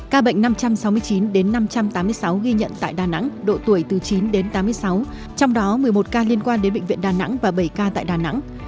ca bệnh năm trăm sáu mươi chín đến năm trăm tám mươi sáu ghi nhận tại đà nẵng độ tuổi từ chín đến tám mươi sáu trong đó một mươi một ca liên quan đến bệnh viện đà nẵng và bảy ca tại đà nẵng